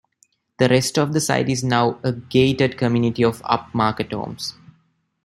The rest of the site is now a gated community of up-market homes.